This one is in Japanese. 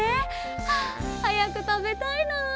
ああはやくたべたいなあ。